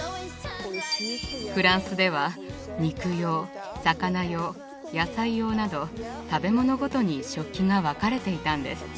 フランスでは肉用魚用野菜用など食べ物ごとに食器が分かれていたんです。